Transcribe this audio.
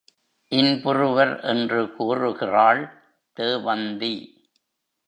இன்புறுவர் என்று கூறுகிறாள் தேவந்தி.